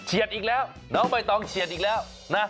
อีกแล้วน้องใบตองเฉียดอีกแล้วนะ